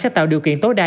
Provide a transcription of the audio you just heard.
sẽ tạo điều kiện tối đa